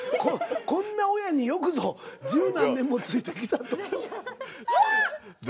こんな親によくぞ十何年もついてきたと。